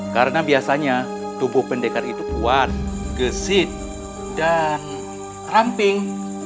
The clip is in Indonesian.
karena biasanya tubuh pendekar itu kuat gesit dan ramping